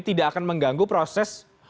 tidak akan mengganggu proses